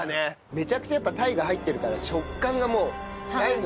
めちゃくちゃやっぱ鯛が入ってるから食感がもう鯛のね